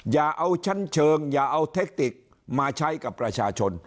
อย่าเอาชั้นเชิงอย่าเอาเทคติกมาใช้กับประชาชน